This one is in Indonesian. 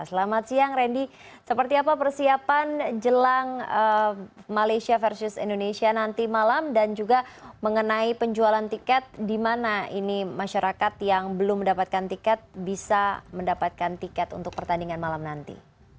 selamat siang randy seperti apa persiapan jelang malaysia versus indonesia nanti malam dan juga mengenai penjualan tiket di mana ini masyarakat yang belum mendapatkan tiket bisa mendapatkan tiket untuk pertandingan malam nanti